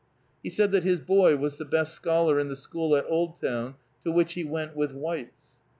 He said that his boy was the best scholar in the school at Oldtown, to which he went with whites.